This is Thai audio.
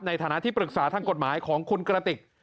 ในฐานะที่ปรึกษาทางกฎหมายของคุณกระติก